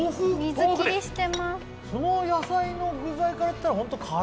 その野菜の具材からいったらカレーとかね。